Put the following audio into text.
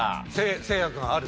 せいや君ある？